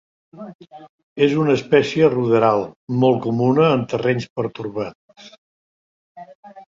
És una espècie ruderal, molt comuna en terrenys pertorbats.